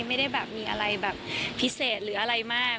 ไม่ได้แบบมีอะไรแบบพิเศษหรืออะไรมาก